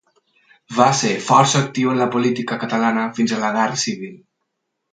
Va ser força actiu en la política catalana fins a la guerra civil.